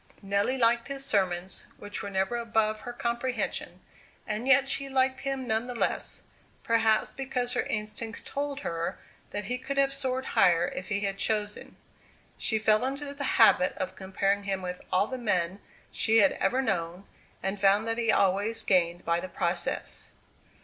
Nelly liked his sermons, which were never above her comprehension; and yet she liked him none the less, perhaps, because her instincts told her that he could have soared higher if he had chosen. She fell into the habit of comparing him with all the men she had ever known, and found that he always gained by the process.